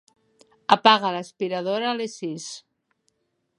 Apaga l'aspiradora a les sis.